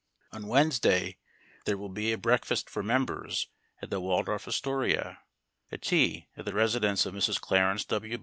On Wednesday there will be a breakfast for members at the Waldorf Astoria; a tea at the residence of Mrs. Clarence W.